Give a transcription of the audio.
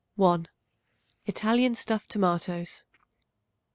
_ 1. Italian Stuffed Tomatoes.